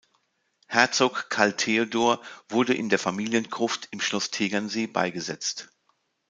Herzog Carl Theodor wurde in der Familiengruft im Schloss Tegernsee beigesetzt.